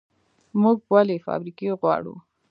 موږ ولې فابریکې غواړو؟